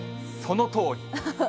そのとおり。